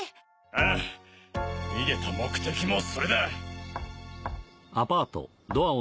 ああ逃げた目的もそれだ！